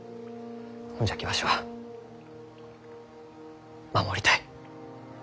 ほんじゃきわしは守りたい。